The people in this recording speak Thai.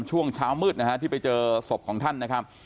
ช่วงเช้ามืดนะฮะที่ไปเจอศพของท่านนะครับ